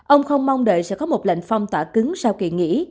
ông không mong đợi sẽ có một lệnh phong tỏa cứng sau kỳ nghỉ